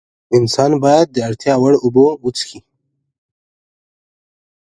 انسان باید د اړتیا وړ اوبه وڅښي